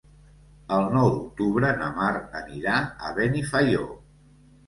El nou d'octubre na Mar anirà a Benifaió.